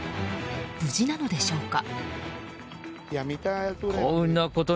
無事なのでしょうか。